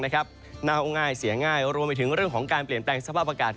หน้าห้องง่ายเสียง่ายรวมไปถึงเรื่องของการเปลี่ยนแปลงสภาพอากาศ